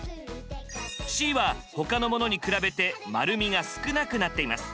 Ｃは他のものに比べて丸みが少なくなっています。